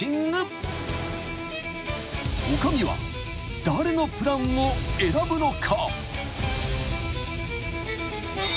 ［女将は誰のプランを選ぶのか？］